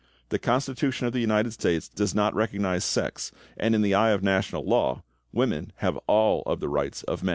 The Constitution of the United States does not recognize sex, and in the eye of national law, women have all of the rights of men.